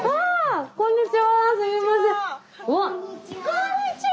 こんにちは。